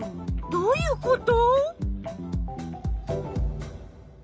どういうこと？